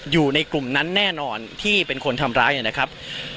อยู่ในกลุ่มนั้นแน่นอนที่เป็นคนทำร้ายนะครับ